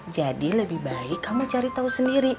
jadi lebih baik kamu cari tahu sendiri